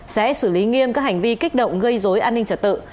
sẽ xử lý nghiêm các hành vi kích động gây dối an ninh trật tự